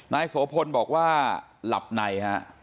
นายโสพลบอกว่าหลับในฮะ